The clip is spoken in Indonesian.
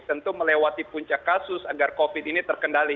tentu melewati puncak kasus agar covid ini terkendali